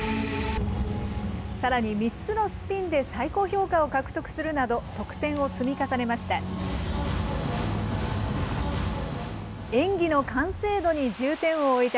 さらに、３つのスピンで最高評価を獲得するなど、得点を積み重ねました。